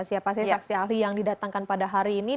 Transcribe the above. siapa sih saksi ahli yang didatangkan pada hari ini